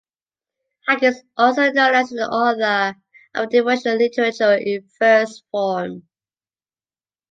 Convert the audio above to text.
Hagen is also known as an author of devotional literature in verse form.